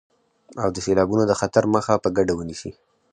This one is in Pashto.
او د سيلابونو د خطر مخه په ګډه ونيسئ.